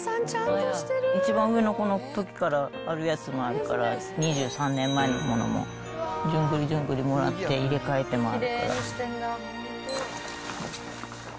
一番上の子のときからあるやつもあるから、２３年前のものも、順ぐり順ぐりもらって入れ替えてます。